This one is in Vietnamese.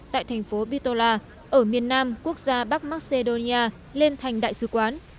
tại thành phố bitola ở miền nam quốc gia bắc macedonia lên thành đại sứ quán